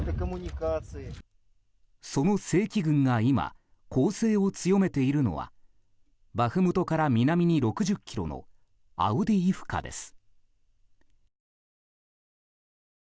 その正規軍が今、攻勢を強めているのはバフムトから南に６０ｋｍのアウディイフカです。